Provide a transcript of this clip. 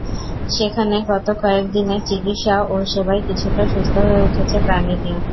সেখানে গত কয়েক দিনের চিকিৎসা ও সেবায় কিছুটা সুস্থ হয়ে উঠেছে প্রাণীটি।